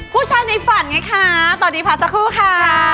ผู้ชายในฝันไงคะตอนนี้พักสักครู่ค่ะ